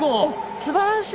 すばらしい！